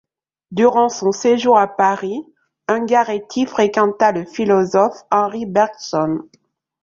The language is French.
Durant son séjour à Paris, Ungaretti fréquenta le philosophe Henri Bergson.